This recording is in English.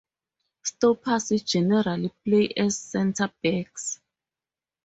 Stoppers generally play as centre-backs.